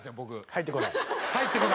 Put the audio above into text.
入ってこないです。